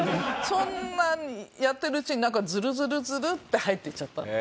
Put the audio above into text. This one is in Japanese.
そんなのやってるうちになんかズルズルズルって入っていっちゃったの。